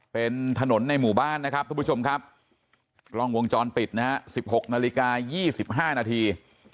เป็นถนนในหมู่บ้านนะครับทุกผู้ชมครับกล้องวงจรปิดนะฮะ๑๖นาฬิกา๒๕นาที